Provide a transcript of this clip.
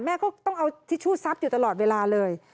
แม่ก็ต้องเอาทิชชู่ซับอยู่ตลอดเวลาเลย